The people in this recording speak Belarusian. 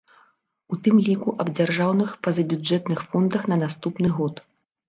У тым ліку аб дзяржаўных пазабюджэтных фондах на наступны год.